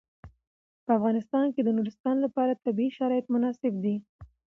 په افغانستان کې د نورستان لپاره طبیعي شرایط مناسب دي.